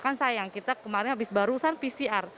kan sayang kita kemarin habis barusan pcr